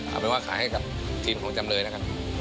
เอาเป็นว่าขายให้กับทีมของจำเลยนะครับ